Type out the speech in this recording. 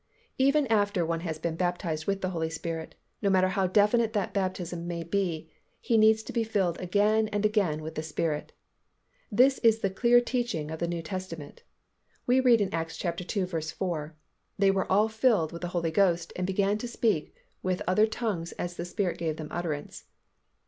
Even after one has been baptized with the Holy Spirit, no matter how definite that baptism may be, he needs to be filled again and again with the Spirit. This is the clear teaching of the New Testament. We read in Acts ii. 4, "They were all filled with the Holy Ghost and began to speak with other tongues as the Spirit gave them utterance."